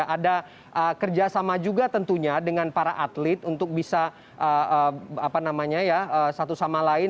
ada kerjasama juga tentunya dengan para atlet untuk bisa satu sama lain